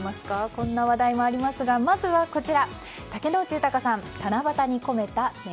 こんな話題もありますがまずは、こちら。